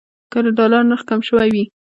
که د ډالر نرخ کم شوی وي.